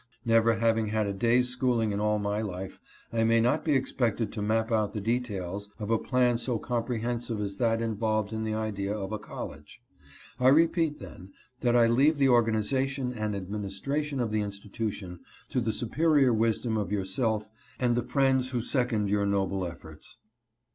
. Never having had a day's schooling in all my life, I may not be expected to map out the details of a plan so comprehensive as that involved in the idea of a college. I repeat, then, that I leave the organization and ad ministration of the institution to the superior wisdom of yourself and the friends who second your noble efforts.